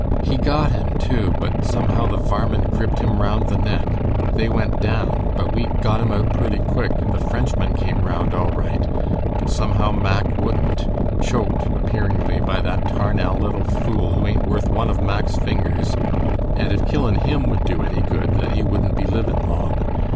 He got him too, but somehow the varmint gripped him round the neck. They went down but we got em out purty quick and the Frenchman come round all right, but somehow Mack wouldn't, choked appearinly by that tarnel little fool who aint worth one of Mack's fingers, and if killin him wud do any good, then he wudn't be livin long.